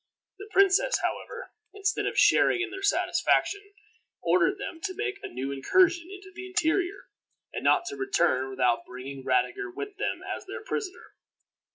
The princess, however, instead of sharing in their satisfaction, ordered them to make a new incursion into the interior, and not to return without bringing Radiger with them as their prisoner.